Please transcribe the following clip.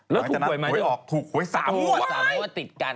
แล้วถูกหวยไหมถูกหวยออกถูก